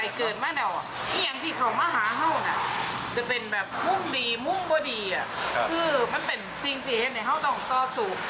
คือคือมันเป็นสิ่งที่ให้เราต้องต่อสู้